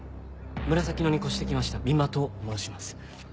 紫野に越してきました三馬と申します。